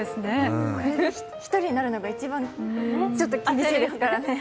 １人になるのが一番ちょっと気持ち悪いですからね。